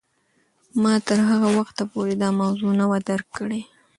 ما تر هغه وخته پورې دا موضوع نه وه درک کړې.